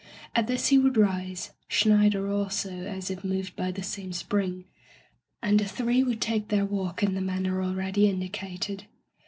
At this he would rise — Schneider also, as if moved by the same spring — ^and the three would take their walk in the manner already indicated.